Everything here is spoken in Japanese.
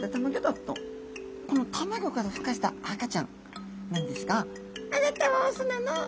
このたまギョからふ化した赤ちゃんなんですがあなたはオスなの？